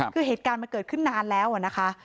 คือเหตุการณ์มันเกิดขึ้นนานแล้วนะคะ